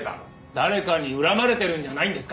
誰かに恨まれてるんじゃないんですか？